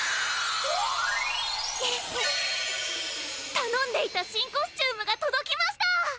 頼んでいた新コスチュームが届きました！